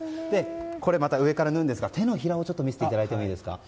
これまたこれ上から縫うんですが手のひらを見せていただいてもよろしいですか。